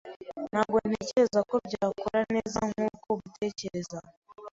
Ntabwo ntekereza ko byakora neza nkuko ubitekereza.